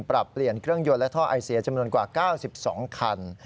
ปรับเปลี่ยนเครื่องยนต์และท่อไอเสียจำนวนกว่า๙๒คัน